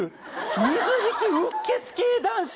水引うっ血系男子！